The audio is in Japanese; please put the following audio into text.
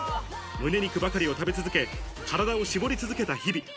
胸肉ばかりを食べ続け、体を絞り続けた日々。